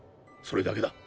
それだけだ。